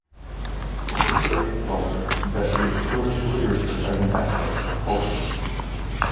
Culture studies scholars investigate children's literature as an aspect of culture.